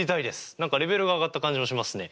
何かレベルが上がったが感じもしますね。